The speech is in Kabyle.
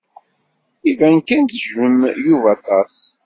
Iban kan tejjmem Yuba aṭas.